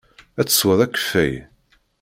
Ad teswed akeffay?